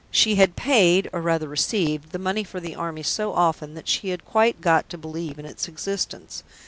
She had paid, or rather received, the money for the Army so often that she had quite got to believe in its existence.